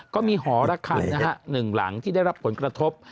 ก็มีหอระคังนะฮะ๑หลังที่ได้รับผลกระทบ